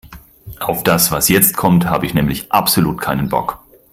Auf das, was jetzt kommt, habe ich nämlich absolut keinen Bock.